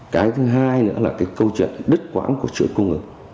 cái thứ hai nữa là cái câu chuyện đứt quãng của chuỗi cung ứng